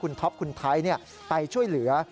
ท็อปคุณไทยไปช่วยเหลือ